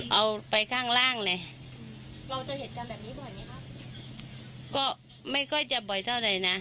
เอาไปข้างล่างเลยก็ไม่ก็จะบ่อยเท่าอะไรนะ